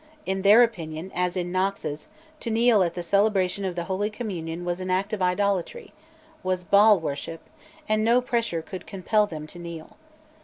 In their opinion, as in Knox's, to kneel at the celebration of the Holy Communion was an act of idolatry, was "Baal worship," and no pressure could compel them to kneel.